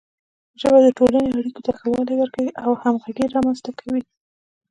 ژبه د ټولنې اړیکو ته ښه والی ورکوي او همغږي رامنځته کوي.